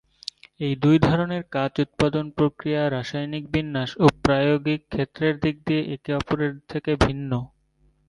এই দুই ধরনের কাঁচ উৎপাদন প্রক্রিয়া, রাসায়নিক বিন্যাস ও প্রায়োগিক ক্ষেত্রের দিক দিয়ে একে অপরের থেকে ভিন্ন।